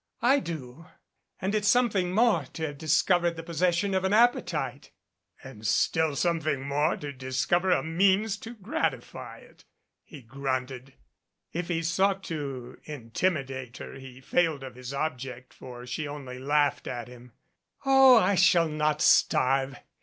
"I do. And it's something more to have discovered the possession of an appetite." FAGABONDIA "And still something more to discover a means to gratify it," he grunted. If he sought to intimidate her, he failed of his object, for she only laughed at him. "Oh, I shall not starve.